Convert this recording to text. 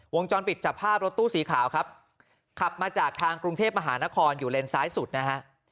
วงจรปิดจับภาพรถตู้สีขาวครับขับมาจากทางกรุงเทพมหานครอยู่เลนซ้ายสุดนะฮะ